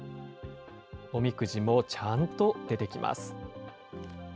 おみくじもちゃんと出てきます。